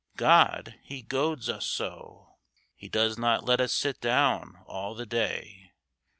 God! he goads us so! He does not let us sit down all the day.